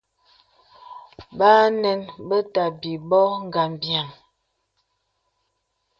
Bà ànəŋ be tà àbī bô ngambīaŋ.